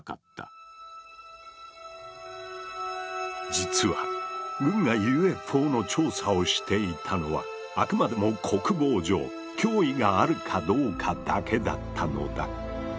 実は軍がＵＦＯの調査をしていたのはあくまでも国防上脅威があるかどうかだけだったのだ。